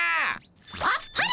あっぱれ！